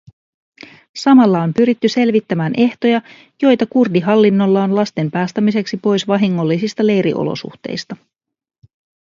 Samalla on pyritty selvittämään ehtoja, joita kurdihallinnolla on lasten päästämiseksi pois vahingollisista leiriolosuhteista.